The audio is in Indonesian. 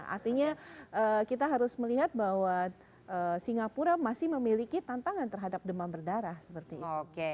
artinya kita harus melihat bahwa singapura masih memiliki tantangan terhadap demam berdarah seperti itu